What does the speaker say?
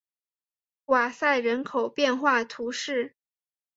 瓦塞人口变化图示